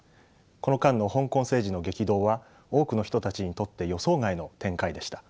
この間の香港政治の激動は多くの人たちにとって予想外の展開でした。